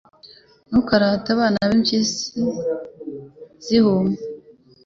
Ntukarate abana impyisi zihuma